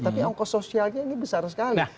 tapi ongkos sosialnya ini besar sekali